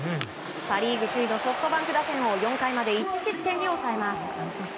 パ・リーグ首位のソフトバンク打線を４回まで１失点に抑えます。